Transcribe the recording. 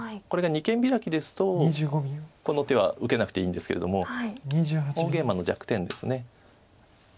これが二間ビラキですとこの手は受けなくていいんですけれども大ゲイマの弱点です。